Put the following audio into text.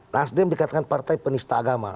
nasdem dikatakan partai penista agama